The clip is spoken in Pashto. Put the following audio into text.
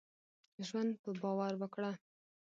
ژوند په باور وکړهٔ.